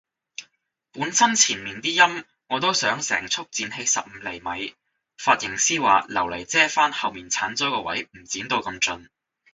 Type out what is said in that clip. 本身前面啲陰我都想成束剪起十五厘米，髮型師話留嚟遮返後面剷咗嘅位唔剪到咁盡